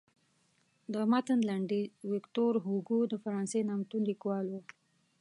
د متن لنډیز ویکتور هوګو د فرانسې نامتو لیکوال و.